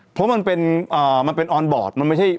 เพราะมันเป็นออนบอร์ด